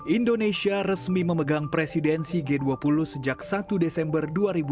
indonesia resmi memegang presidensi g dua puluh sejak satu desember dua ribu dua puluh